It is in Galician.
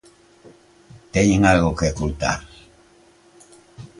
Teñen algo que ocultar?